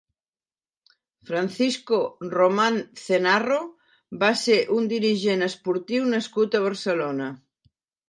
Francisco Román Cenarro va ser un dirigent esportiu nascut a Barcelona.